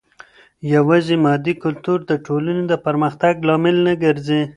يوازي مادي کلتور د ټولني د پرمختګ لامل نه ګرځي.